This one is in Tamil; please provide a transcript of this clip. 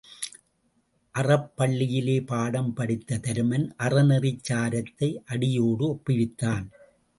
அறப்பள்ளியிலே பாடம் படித்த தருமன் அறநெறிச் சாரத்தை அடியோடு ஒப்புவித்தான்.